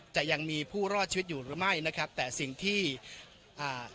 จะยังมีผู้รอดชีวิตอยู่หรือไม่นะครับแต่สิ่งที่อ่า